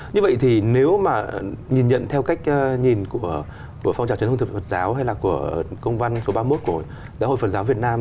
như vậy thì nếu mà nhìn nhận theo cách nhìn của phong trào trần hưng thực phật giáo hay là của công văn số ba mươi một của giáo hội phật giáo việt nam